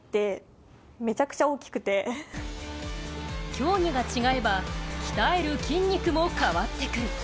競技が違えば、鍛える筋肉も変わってくる。